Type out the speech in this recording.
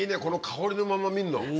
この香りのまま見んの？